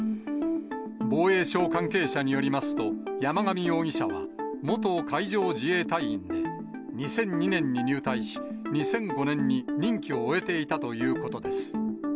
防衛省関係者によりますと、山上容疑者は元海上自衛隊員で、２００２年に入隊し、２００５年に任期を終えていたということです。